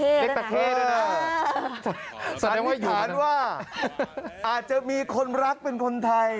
เรียกตาเคด้วยนะอ่าสัญญาว่าอยู่สัญญาว่าอาจจะมีคนรักเป็นคนไทย